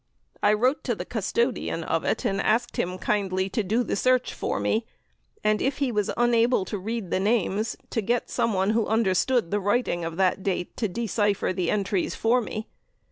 I wrote to the custodian of it, and asked him kindly to do the search for me, and if he was unable to read the names to get some one who understood the writing of that date to decipher the entries for me.